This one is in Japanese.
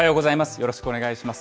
よろしくお願いします。